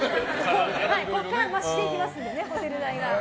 ここから増していきますのでホテル代は。